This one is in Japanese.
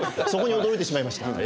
そこに驚いてしまいました。